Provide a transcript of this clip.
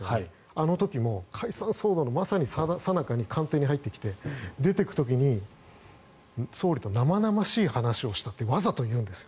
あの時も解散騒動のまさにさなかに官邸に入ってきて出ていく時に総理と生々しい話をしたってわざと言うんです。